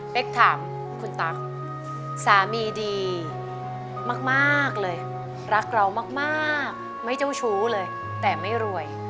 ถามคุณตั๊กสามีดีมากเลยรักเรามากไม่เจ้าชู้เลยแต่ไม่รวย